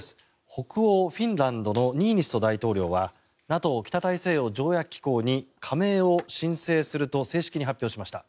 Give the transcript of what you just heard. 北欧フィンランドのニーニスト大統領はＮＡＴＯ・北大西洋条約機構に加盟を申請すると正式に発表しました。